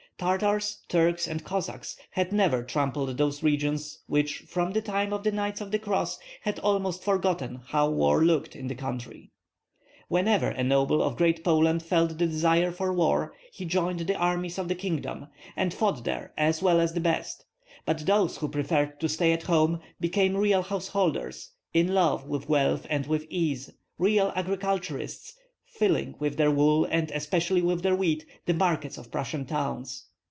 Tartars, Turks, and Cossacks had never trampled those regions which from the time of the Knights of the Cross had almost forgotten how war looked in the country. Whenever a noble of Great Poland felt the desire for war he joined the armies of the kingdom, and fought there as well as the best; but those who preferred to stay at home became real householders, in love with wealth and with ease, real agriculturists, filling with their wool and especially with their wheat the markets of Prussian towns.